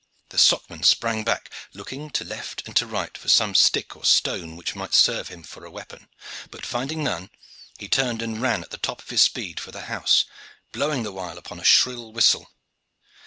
The socman sprang back, looking to left and to right for some stick or stone which might serve him for weapon; but finding none, he turned and ran at the top of his speed for the house, blowing the while upon a shrill whistle.